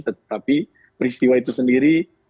tetapi peristiwa itu sendiri